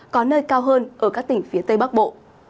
có nơi cao hơn ở các tỉnh phía tây bắc bộ